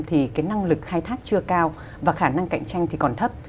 thì cái năng lực khai thác chưa cao và khả năng cạnh tranh thì còn thấp